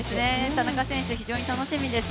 田中選手、非常に楽しみです